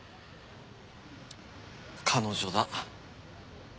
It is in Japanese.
彼女だ。